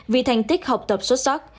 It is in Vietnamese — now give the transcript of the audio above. vì thành tích học tập xuất sắc